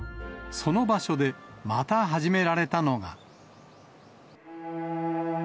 その場所でまた始められたのが。